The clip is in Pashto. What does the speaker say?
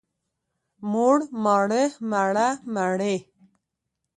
موړ، ماړه، مړه، مړې.